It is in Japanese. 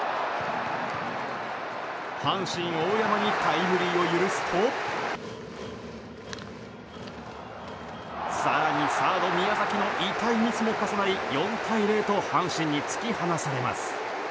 阪神、大山にタイムリーを許すと更にサード、宮崎の痛いミスも重なり４対０と阪神に突き放されます。